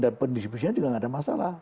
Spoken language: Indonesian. dan pendistribusinya juga tidak ada masalah